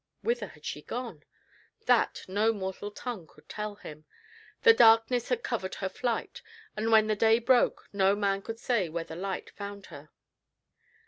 Whither had she gone? That no mortal tongue could tell him. The darkness had covered her flight; and when the day broke, no man could say where the light found her.